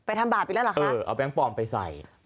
เอาแบงค์ปลอมไปใส่